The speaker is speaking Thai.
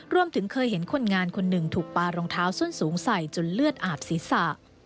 รวมถึงเคยเห็นคนงานคนหนึ่งถูกปลารองเท้าส้นสูงใส่จนเลือดอาบศีรษะ